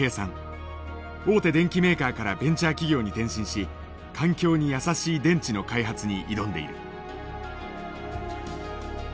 大手電機メーカーからベンチャー企業に転身し環境に優しい電池の開発に挑んでいる。